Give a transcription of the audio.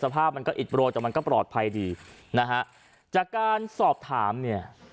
ภาพมันก็อิดโรยแต่มันก็ปลอดภัยดีนะฮะจากการสอบถามเนี่ย